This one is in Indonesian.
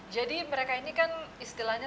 jadi mereka ini kan istilahnya